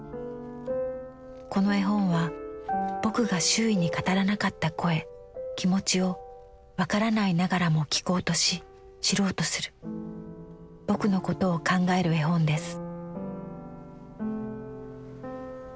この絵本は『ぼく』が周囲に語らなかった声気持ちをわからないながらも聞こうとし知ろうとする『ぼく』のことを考える絵本です」。